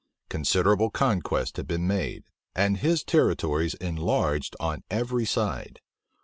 Considerable conquests had been made, and his territories enlarged on every side.